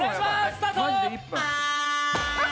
スタート！